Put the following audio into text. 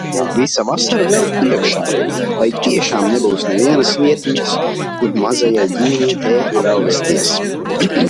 Visa vasara vēl priekšā, vai tiešām nebūs nevienas vietiņas, kur mazajai ģimenītei apmesties?